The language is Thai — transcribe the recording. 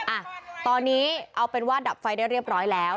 อ่ะตอนนี้เอาเป็นว่าดับไฟได้เรียบร้อยแล้ว